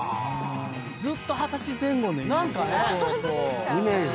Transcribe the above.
ずっと二十歳前後のイメージ。